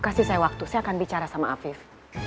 kasih saya waktu saya akan bicara sama afif